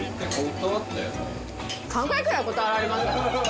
３回くらい断られました。